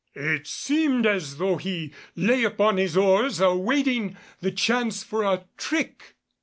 It seemed as though he lay upon his oars awaiting the chance for a trick.